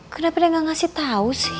kenapa dia nggak ngasih tahu sih